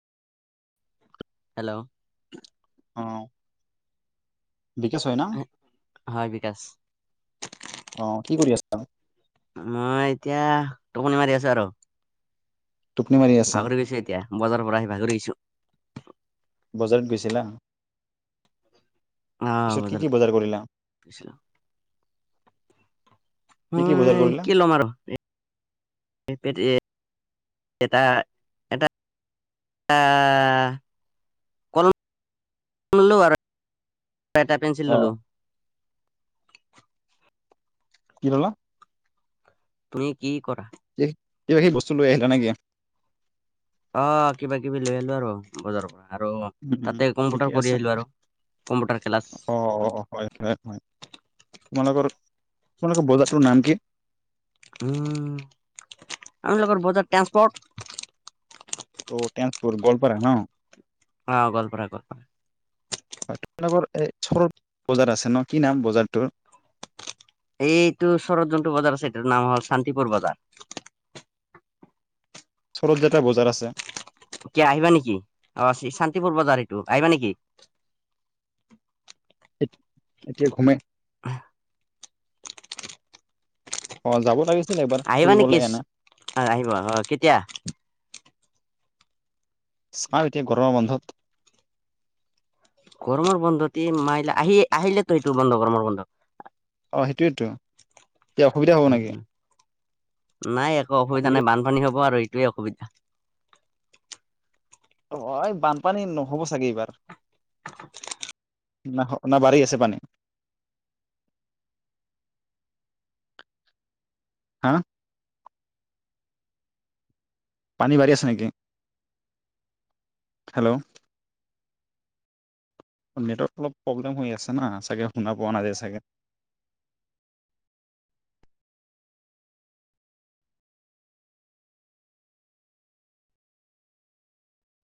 Hello. অ। বিকাশ হয় না হয় বিকাশ। অ কি কৰি আছা। মই এতিয়া টোপনি মাৰি আছোঁ আৰু টোপনি মাৰি আছা ভাগৰি গৈছোঁ এতিয়া বজাৰৰ পৰা আহি ভাগৰি গৈছোঁ বজাৰত গৈছিলা। আহ পিছত কি বজাৰত কি বজাৰ কৰিলা। কি কি বজাৰ উম কৰিলা কি লম আৰু [unintelligible] এটা এটা এটা কলম ললোঁ আৰু। এটা পেঞ্চিল অ ললোঁ কি ললা। তুমি কি। কৰা। কি কিবা কি সি বস্তু লৈ আহিলা নেকি? অ কিবা কিবি লৈ আহিলোঁ আৰু বজাৰৰ পৰা। আৰু উ তাতে কম্পিউটাৰ ঠিকে কৰি আছে আহিলো আৰু কম্পিউটাৰ ক্লাছ অ অ হয় হয় হয় তোমালোকৰ আপালোকৰ বজাৰটোৰ নাম কি? উম আম লগৰ বজাৰ ট্ৰানসপৰ্ট। অ ট্ৰানসপৰত, গোৱালপাৰা ন? অ গোৱালপাৰা আগত। ওচৰত বজাৰ আছে ন, কি নাম বজাৰটোৰ? এইটো ওচৰত যিটো বজাৰ আছে এইটোৰ নাম হ'ল শান্তিপুৰ বজাৰ। ওচৰত যে এটা বজাৰ আছে। এতিয়া আহিবা নেকি অ শান্তিপূৰ বজাৰ এইটো, আহিবা নেকি? এতিয়া ঘুমাই অ যাব লাগিছ আহিবা নেকি আহিবা অহ আহিবা, কেতিয়া? চাওঁ এতিয়া গৰমৰ বন্ধত গৰমৰ বন্ধত মাইল আহি আহিলে ত এইটোৰ বন্ধ গৰমৰ বন্ধ। অ' সেইটোৱেতো, কিবা অসুবিধা হ'ব নেকি? উম অসুবিধা অ' আৰু এইটোৱে অসুবিধা। অ' এই বানপানী নহ'ব চাগে এইবাৰ। ন নে বাঢ়ী আছে পানী? হা'? পানী বাঢ়ী আছে নেকি হেল্ল'? নেটৱৰ্ক অলপ প্ৰব্লেম হৈ আছে না চাগে শুনা পোৱা নাযায় চাগে।